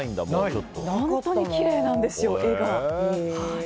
本当にきれいなんです。